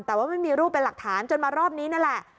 แต่ว่าไม่มีรูปเป็นหลักฐานจนมารอบนี้นั่นแหละ